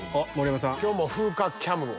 今日も風花キャメラを。